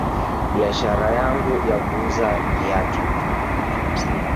Biashara yangu ya kuuza viatu